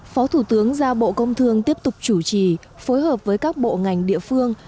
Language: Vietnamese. phó thủ tướng ra bộ công thương tiếp tục chủ trì phối hợp với các bộ ngành địa phương